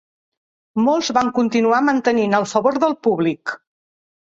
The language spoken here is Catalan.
Molts van continuar mantenint el favor del públic.